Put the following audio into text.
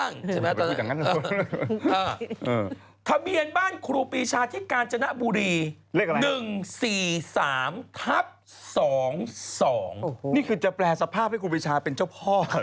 นี่คือจะแปลสภาพให้ครูปีชาเป็นเจ้าพ่อ